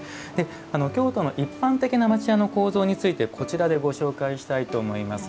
京都の一般的な町家の構造についてこちらでご紹介したいと思いますが。